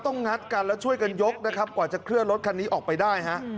งัดกันแล้วช่วยกันยกนะครับกว่าจะเคลื่อนรถคันนี้ออกไปได้ฮะ